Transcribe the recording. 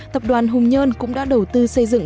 tập đoàn hùng nhơn cũng đã đầu tư xây dựng